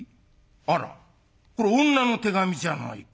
あらこれ女の手紙じゃないか。